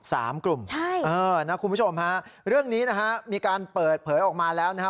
สามกลุ่มใช่เออนะคุณผู้ชมฮะเรื่องนี้นะฮะมีการเปิดเผยออกมาแล้วนะฮะ